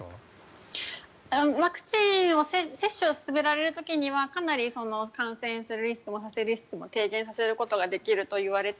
ワクチンの接種を進められる時にはかなり感染するリスクもさせるリスクも低減させることができるといわれて